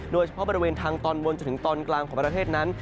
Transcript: โดยเฉพาะบริเวณทางตอนบนจนถึงตอนกลางของประเทศนั้น